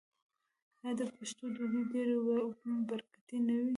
آیا د پښتنو ډوډۍ ډیره برکتي نه وي؟